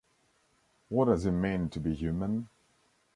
What does it mean to be human?